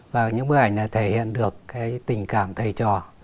và những bức ảnh này thể hiện được tình cảm thầy trò